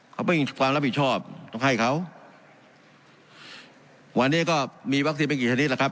เขาไม่มีความรับผิดชอบต้องให้เขาวันนี้ก็มีวัคซีนไม่กี่ชนิดแล้วครับ